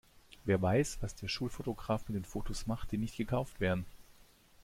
Wer weiß, was der Schulfotograf mit den Fotos macht, die nicht gekauft werden?